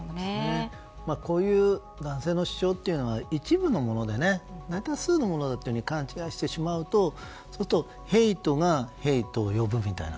こういう主張というのは一部のもので大多数のものと勘違いしてしまうとヘイトがヘイトを呼ぶみたいな。